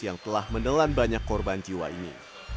yang telah menelan banyak korban jiwa ini